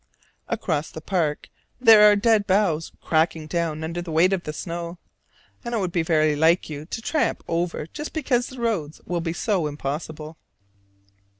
Across the park there are dead boughs cracking down under the weight of snow; and it would be very like you to tramp over just because the roads will be so impossible.